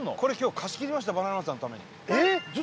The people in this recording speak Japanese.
貸し切りましたバナナマンさんのためにえっ！？